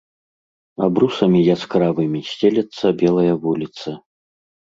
Абрусамі яскравымі сцелецца белая вуліца.